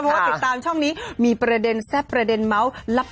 เพราะว่าติดตามช่องนี้มีประเด็นแซ่บประเด็นเมาส์ลับ